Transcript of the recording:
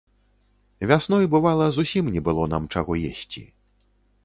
Вясной, бывала, зусім не было нам чаго есці.